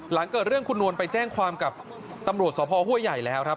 หลังเกิดเรื่องคุณนวลไปแจ้งความกับตำรวจสภห้วยใหญ่แล้วครับ